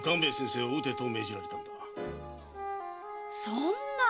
そんな！